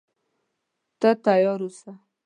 ته تیار اوسه.